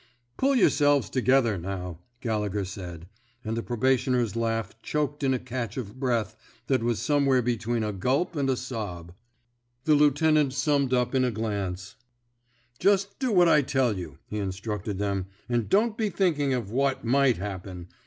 PuU yourselves together, now," Galle gher said; and the probationer's laugh choked in a catch of breath that was some where between a gulp and a sob. The lieutenant summed them up in a glance. Just do what I tell you," he instructed 25 THE SMOKE EATERS them, ^^ and don't be thinking of what might happen.